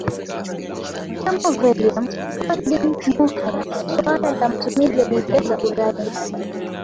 kama Valium pethedine morphine Suala la matumizi ya bidhaa za uraibu